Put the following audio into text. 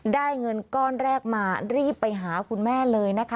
เงินก้อนแรกมารีบไปหาคุณแม่เลยนะคะ